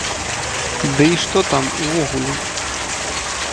Дый што там, увогуле?